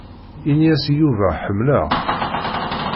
Ini-as i Yuba ḥemmleɣ-t.